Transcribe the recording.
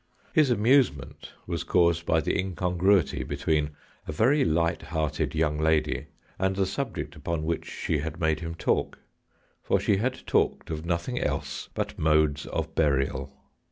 His amusement was caused by the incongruity between a very light hearted young lady and the subject upon which she had made him talk, for she had talked of nothing else but modes of burial.